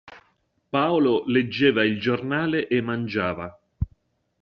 Paolo leggeva il giornale e mangiava.